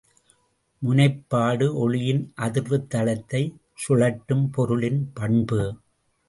முனைப்படு ஒளியின் அதிர்வுத்தளத்தைச் சுழற்றும் பொருளின் பண்பு.